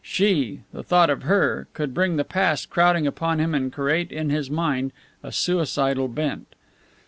She the thought of her could bring the past crowding upon him and create in his mind a suicidal bent!